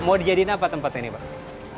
mau dijadiin apa tempat ini pak